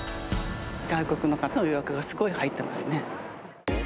外国の方の予約はすごい入ってますね。